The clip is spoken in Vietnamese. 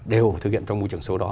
đều thực hiện trong môi trường số đó